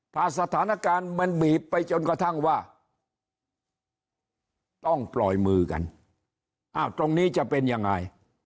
ถ้าสถานการณ์มันบีบไปจนกระทั่งว่าต้องปล่อยมือกันอ้าวตรงนี้จะเป็นยังไง